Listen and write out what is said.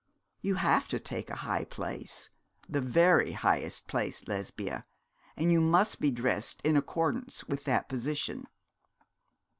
You have to take a high place, the very highest place, Lesbia; and you must be dressed in accordance with that position.'